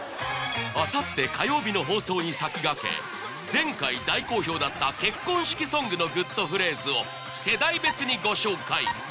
あさって火曜日の放送に先駆け前回大好評だった結婚式ソングのグッとフレーズを世代別にご紹介